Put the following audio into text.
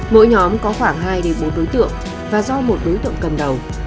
mỗi nhóm có khoảng hai bốn đối tượng và do một đối tượng cầm đầu